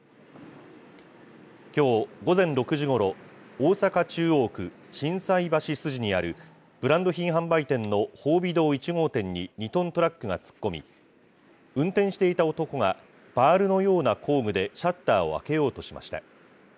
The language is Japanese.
きょう午前６時ごろ、大阪・中央区心斎橋筋にあるブランド品販売店の宝美堂１号店に２トントラックが突っ込み、運転していた男がバールのような工具でシャッターを開けようとしました。